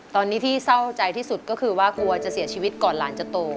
ตอนนี้ที่เศร้าใจที่สุดก็คือว่ากลัวจะเสียชีวิตก่อนหลานจะโต